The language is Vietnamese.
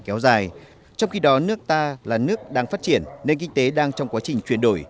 kéo dài trong khi đó nước ta là nước đang phát triển nền kinh tế đang trong quá trình chuyển đổi